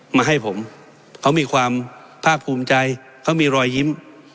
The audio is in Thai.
มาให้ผมเขามีความภาคภูมิใจเขามีรอยยิ้ม